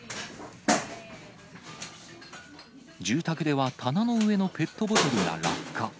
住宅では棚の上のペットボトルが落下。